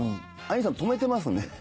兄さん止めてますね。